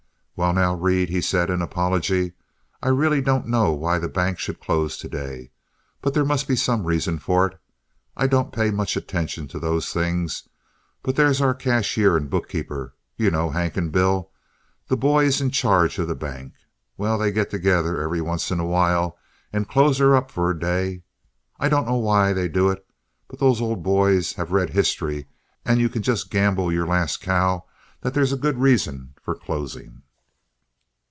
"Well, now, Reed," said he in apology, "I really don't know why the bank should close to day, but there must be some reason for it. I don't pay much attention to those things, but there's our cashier and bookkeeper, you know Hank and Bill, the boys in charge of the bank. Well, they get together every once in a while and close her up for a day. I don't know why they do it, but those old boys have read history, and you can just gamble your last cow that there's good reasons for closing."